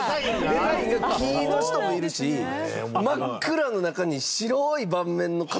デザインが木の人もいるし真っ暗の中に白い盤面の方もおるし。